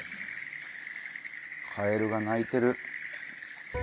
カエルが鳴いてる。